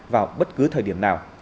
vào bất cứ thời điểm nào